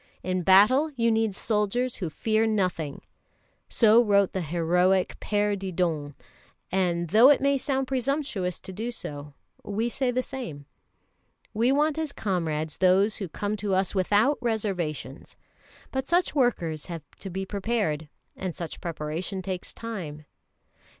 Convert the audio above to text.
In battle you need soldiers who fear nothing." So wrote the heroic Père Didon; and, though it may sound presumptuous to do so, we say the same. We want as comrades those who come to us without reservations. But such workers have to be prepared, and such preparation takes time.